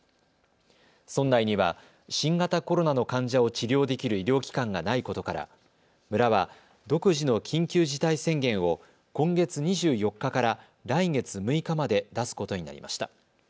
村内には新型コロナの患者を治療できる医療機関がないことから村は独自の緊急事態宣言を今月２４日から来月６日まで出すことになりました。